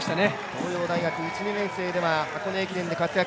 東洋大学１、２年生では箱根駅伝で活躍。